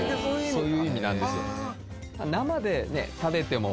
そういう意味なんですよ。